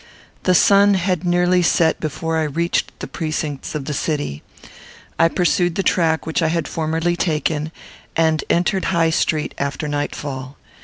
The sun had nearly set before I reached the precincts of the city. I pursued the track which I had formerly taken, and entered High Street after nightfall.